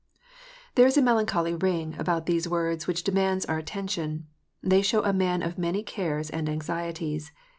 There is a melancholy ring about these words which demands our attention. They show a man of many cares and anxieties.